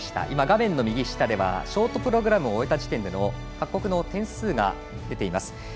今、画面右下ではショートプログラムを終えた時点の各国の点数が出ています。